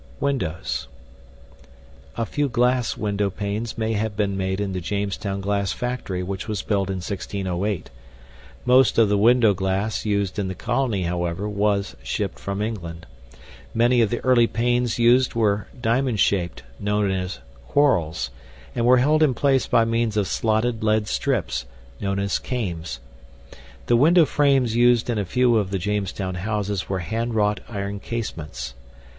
WINDOWS A few glass window panes may have been made in the Jamestown glass factory which was built in 1608. Most of the window glass used in the colony, however, was shipped from England. Many of the early panes used were diamond shaped (known as "quarrels"), and were held in place by means of slotted lead strips (known as "cames"). The window frames used in a few of the Jamestown houses were handwrought iron casements.